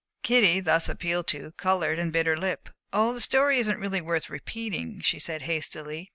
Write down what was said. "Kitty," thus appealed to, colored and bit her lip. "Oh, the story isn't really worth repeating," she said, hastily.